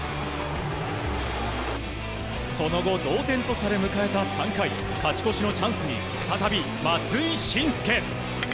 その後、同点とされ迎えた３回勝ち越しのチャンスに再び松井心助。